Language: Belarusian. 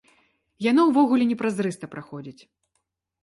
Яно ўвогуле непразрыста праходзіць.